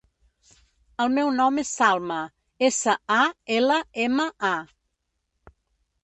El meu nom és Salma: essa, a, ela, ema, a.